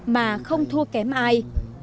mà không thua kém ai